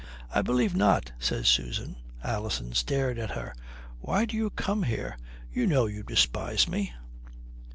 "I believe not," says Susan. Alison stared at her. "Why do you come here? You know you despise me."